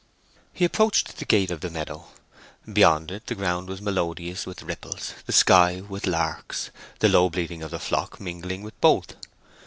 He approached the gate of the meadow. Beyond it the ground was melodious with ripples, and the sky with larks; the low bleating of the flock mingling with both.